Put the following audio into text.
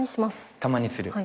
たまにする？